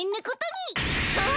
そう！